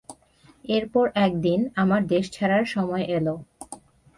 এরপর একদিন, আমার দেশ ছাড়ার সময় এলো।